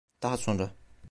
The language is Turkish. Daha sonra.